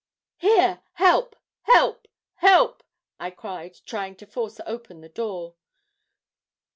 'Here! help, help, help!' I cried, trying to force open the door.